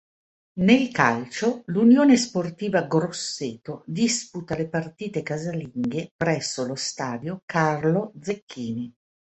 Nel calcio, l'Unione Sportiva Grosseto disputa le partite casalinghe presso lo Stadio Carlo Zecchini.